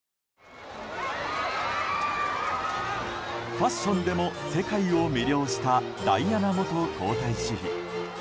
ファッションでも、世界を魅了したダイアナ元皇太子妃。